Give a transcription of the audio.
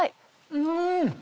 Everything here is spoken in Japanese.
うん！